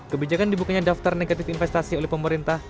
kebijakan dibukanya daftar negatif investasi oleh pemerintah